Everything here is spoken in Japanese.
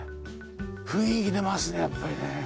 雰囲気出ますねやっぱりね。